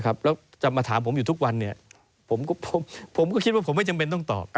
แล้วจะมาถามผมอยู่ทุกวันผมก็คิดว่าผมไม่จำเป็นต้องตอบ